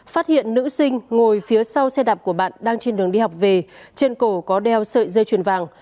phát hiện nữ sinh ngồi phía sau xe đạp của bạn đang trên đường đi học về trên cổ có đeo sợi dây chuyền vàng